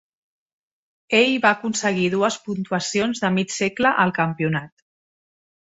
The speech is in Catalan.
Ell va aconseguir dues puntuacions de mig segle al campionat.